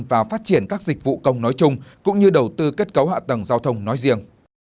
và phát triển các dịch vụ công nói chung cũng như đầu tư kết cấu hạ tầng giao thông nói riêng